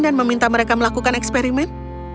dan meminta mereka melakukan eksperimen